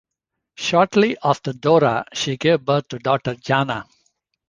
Shortly after Dora, she gave birth to daughter Jana.